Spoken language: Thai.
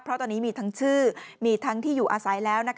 เพราะตอนนี้มีทั้งชื่อมีทั้งที่อยู่อาศัยแล้ว